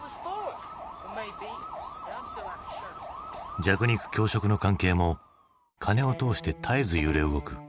弱肉強食の関係もカネを通して絶えず揺れ動く。